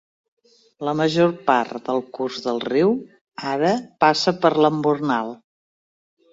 La major part del curs del riu ara passa per l'embornal.